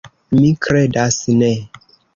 Mi kredas ne.